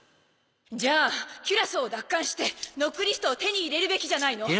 じゃあキュラソーを奪還してノックリストを手に入れるべきじゃないの？